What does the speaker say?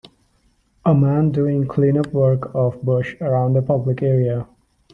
A man doing clean up work of brush around a public area.